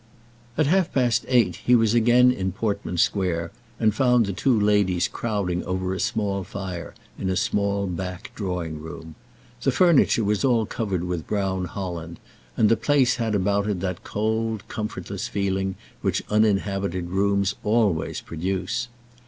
At half past eight he was again in Portman Square, and found the two ladies crowding over a small fire in a small back drawing room. The furniture was all covered with brown holland, and the place had about it that cold comfortless feeling which uninhabited rooms always produce.